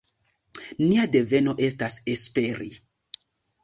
Nia devo estas esperi.